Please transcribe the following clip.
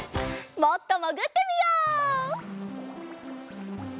もっともぐってみよう！